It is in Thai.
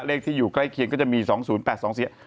เลขที่อยู่ใกล้เคียงก็จะมี๒๐๘๒เสียง